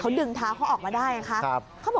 เค้าดึงท้าเค้าออกมาได้ค่ะ